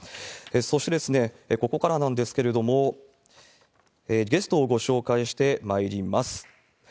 そして、ここからなんですけれども、ゲストをご紹介してまいります。